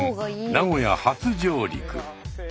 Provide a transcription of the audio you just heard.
名古屋初上陸。